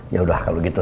ya udah kalau gitu